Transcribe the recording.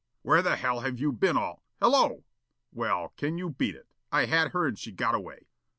Where the hell have you been all hello! Well, can you beat it? I had her and she got away."